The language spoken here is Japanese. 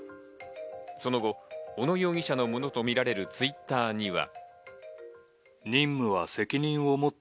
その後、小野容疑者のものとみられるＴｗｉｔｔｅｒには。